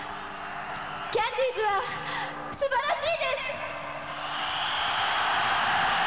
キャンディーズはすばらしいです！